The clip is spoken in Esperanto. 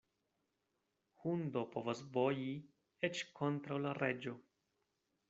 Hundo povas boji eĉ kontraŭ la reĝo.